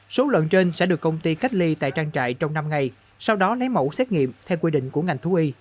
số lợn trên sẽ được công ty cách ly tại trang trại trong năm ngày sau đó lấy mẫu xét nghiệm theo quy định của ngành thú y